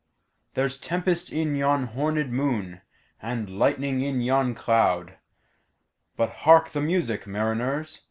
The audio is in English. There's tempest in yon hornèd moon, And lightning in yon cloud:But hark the music, mariners!